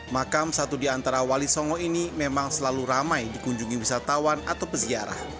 makam satu di antara wali songo ini memang selalu ramai dikunjungi wisatawan atau peziarah